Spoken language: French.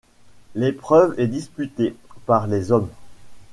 L'épreuve est disputée par les hommes.